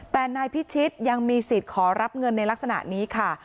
แต่นายพิชิตยังมีสิทธิ์ขอรับเงินในลักษณะนี้ค่ะ